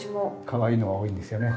かわいいのが多いんですよね。